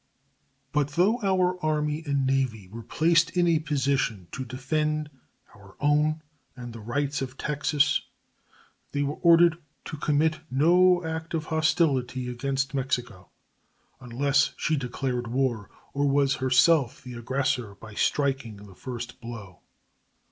But though our Army and Navy were placed in a position to defend our own and the rights of Texas, they were ordered to commit no act of hostility against Mexico unless she declared war or was herself the aggressor by striking the first blow.